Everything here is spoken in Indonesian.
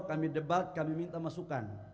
kami debat kami minta masukan